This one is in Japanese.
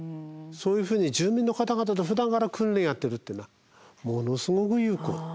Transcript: そういうふうに住民の方々とふだんから訓練やってるっていうのはものすごく有効。